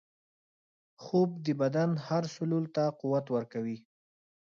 خوب د بدن هر سلول ته قوت ورکوي